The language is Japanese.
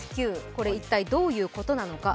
これは一体どういうことなのか。